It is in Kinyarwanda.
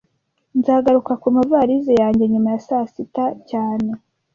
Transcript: Nzagaruka kumavalisi yanjye nyuma ya saa sita cyane